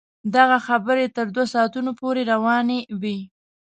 دغه خبرې تر دوه ساعتونو پورې روانې وې.